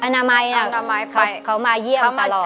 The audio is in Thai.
นามัยเขามาเยี่ยมตลอด